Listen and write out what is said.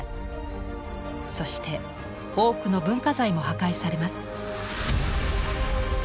そして多くの文化財も破壊されます。